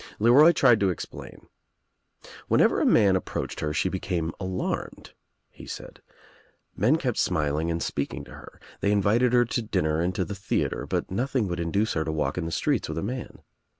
LcRoy tried to explain. "Whenever a man ap proached her she became alarmed," he said. Men kept smiling and speaking to her. They invited her to dinner and to the theatre, but nothing would induce her to walk in the streets with a man.